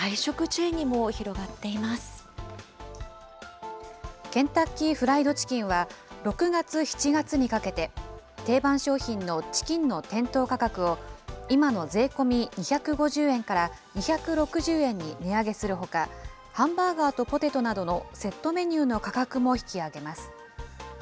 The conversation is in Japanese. ケンタッキーフライドチキンは、６月、７月にかけて、定番商品のチキンの店頭価格を今の税込み２５０円から２６０円に値上げするほか、ハンバーガーとポテトなどのセットメニューの価格も引き上げます。